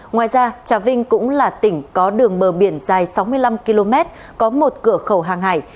ngoài ra trà vinh cũng là tỉnh có đường bờ biển dài sáu mươi năm km có một cửa khẩu hàng hải